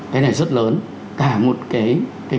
cái này rất lớn cả một cái